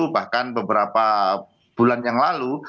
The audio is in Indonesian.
bahkan beberapa bulan yang lalu